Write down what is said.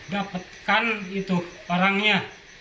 dapatkan itu orangnya